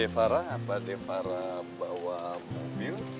devara apa devara bawa mobil